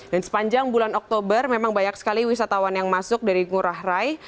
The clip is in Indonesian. dan sepanjang bulan oktober memang banyak sekali wisatawan yang masuk dari ngurah rai